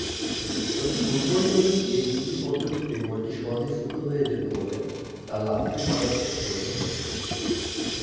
তবে ফুটবল তৈরির এই দুটি পদ্ধতিতেই বলটি সহজে ফুটো হয়ে যেত ব'লে তা লাথি মারার পক্ষে অযোগ্য ছিল।